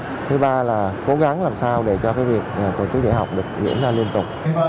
có một trường học tập tốt thứ hai là an toàn thứ ba là cố gắng làm sao để cho việc tổ chức đại học được diễn ra liên tục